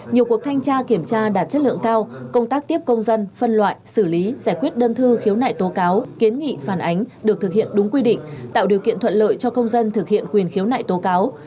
nhiều cuộc thanh tra kiểm tra đạt chất lượng cao công tác tiếp công dân phân loại xử lý giải quyết đơn thư khiếu nại tố cáo kiến nghị phản ánh được thực hiện đúng quy định tạo điều kiện thuận lợi cho công dân thực hiện quyền khiếu nại tố cáo